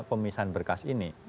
pemisahan berkas ini